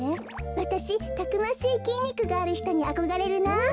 わたしたくましいきんにくがあるひとにあこがれるな。